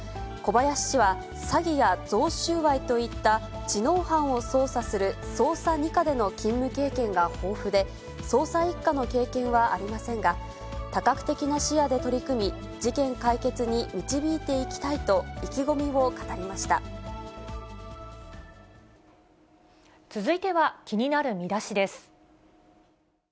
小林氏は、詐欺や贈収賄といった、知能犯を捜査する捜査２課での勤務経験が抱負で、捜査１課の経験はありませんが、多角的な視野で取り組み、事件解決に導いていきたいと、意気込み続いては、気になるミダシです。